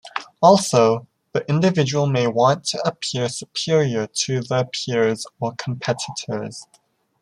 Also, the individual may want to appear superior to their peers or competitors.